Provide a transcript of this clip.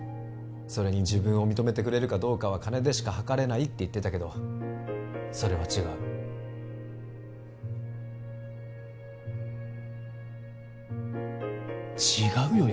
それに自分を認めてくれるかどうかは金でしかはかれないって言ってたけどそれは違う違うよ